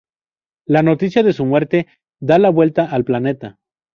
La noticia de su muerte da la vuelta al planeta.